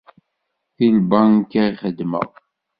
Di lbanka i xeddmeɣ.